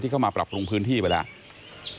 เข้ามาปรับปรุงพื้นที่ไปแล้ว